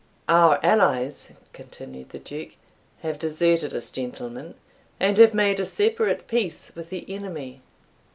"Our allies," continued the Duke, "have deserted us, gentlemen, and have made a separate peace with the enemy."